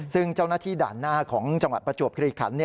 ซึ่งเจ้าหน้าที่ด่านหน้าของจังหวัดประจวบคลีขัน